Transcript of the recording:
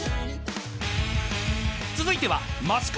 ［続いては］